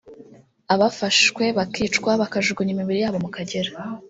abafashwe bakicwa bakajugunya imibiri yabo mu Kagera